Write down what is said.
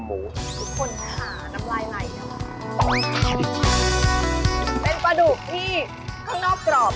อ้อมหมูทุกคนค่ะน้ำลายอะไรไงนะเป็นปลาดูกที่ข้างนอกกรอบแล้ว